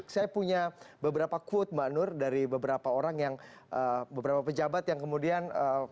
saya punya beberapa quote mbak nur dari beberapa orang yang beberapa pejabat yang kemudian